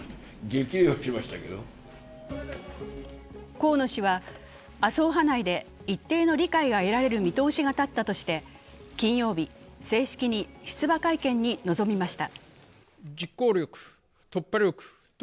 河野氏は麻生派内で一定の理解が得られる見通しが立ったとして金曜日、正式に出馬会見に臨みました。